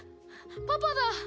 パパだ！」